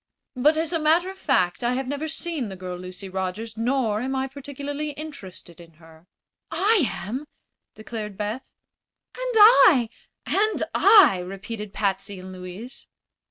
But, as a matter of fact, I have never seen the girl Lucy Rogers, nor am I particularly interested in her." "I am," declared Beth. "And I!" "And I!" repeated Patsy and Louise.